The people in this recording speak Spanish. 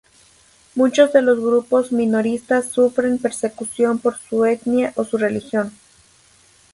Muchos de los grupos minoritarios sufren persecución por su etnia o su religión.